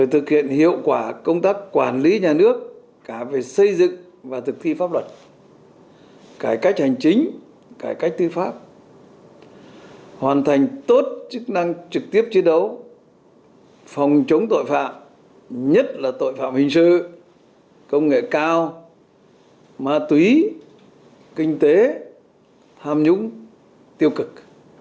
tham mưu với đảng nhà nước về bảo đảm hình sư công nghệ cao ma túy kinh tế tham nhũng tiêu cực